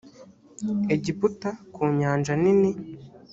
egiputa ku nyanja nini